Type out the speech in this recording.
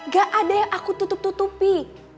gak ada yang aku tutup tutupi